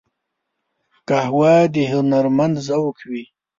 قهوه د هنرمند ذوق وي